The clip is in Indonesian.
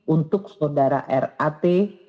untuk saudara rat